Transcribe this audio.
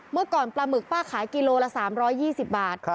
เมื่อก่อนปลาหมึกป้าขายกิโลละ๓๒๐บาท